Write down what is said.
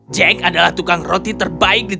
jack adalah tukang roti terbaik di